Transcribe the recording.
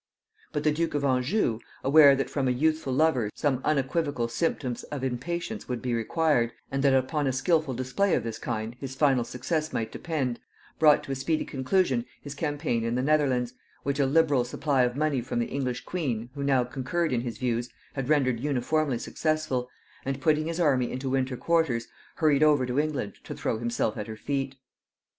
But the duke of Anjou, aware that from a youthful lover some unequivocal symptoms of impatience would be required, and that upon a skilful display of this kind his final success might depend, brought to a speedy conclusion his campaign in the Netherlands, which a liberal supply of money from the English queen, who now concurred in his views, had rendered uniformly successful, and putting his army into winter quarters, hurried over to England to throw himself at her feet.